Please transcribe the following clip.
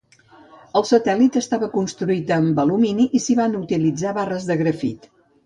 El satèl·lit estava construït amb alumini i s'hi van utilitzar barres de grafit.